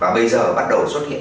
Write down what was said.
và bây giờ bắt đầu xuất hiện